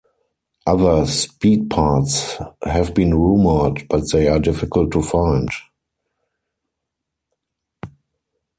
Other speed parts have been rumored, but they are difficult to find.